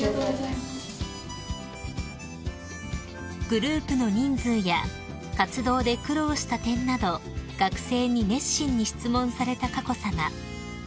［グループの人数や活動で苦労した点など学生に熱心に質問された佳子さま］